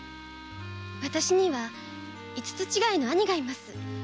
私には五つ違いの兄がいます。